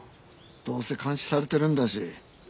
どうせ監視されてるんだし。